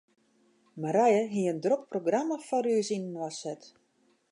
Marije hie in drok programma foar ús yninoar set.